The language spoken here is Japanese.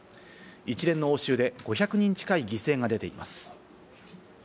一連の応酬で５００人近い犠牲が出ています。